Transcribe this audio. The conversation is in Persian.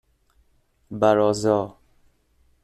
بَرازا